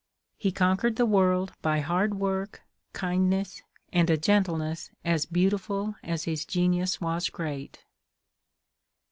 He conquered the world by hard work, kindness, and a gentleness as beautiful as his genius was great.